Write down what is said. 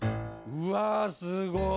うわあ、すごい。